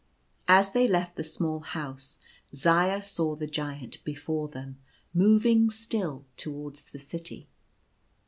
As they left the small house, Zaya saw the Giant before them, moving still towards the city.